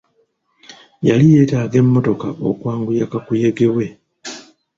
Yali yeetaaga emmotoka okwanguya kakuyege we.